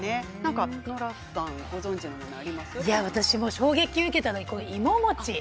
衝撃を受けたのはいももち。